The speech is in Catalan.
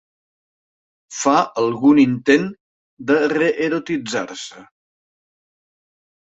Fa algun intent de reerotitzar-se.